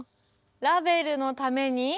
「ラヴェルのために」